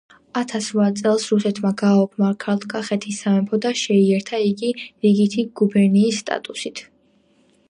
ათას რვა წელს რუსეთმა გააუქმა ქართლკახეთის სამეფო და შეიერთა იგი რიგითი გუბერნიის სატატუსით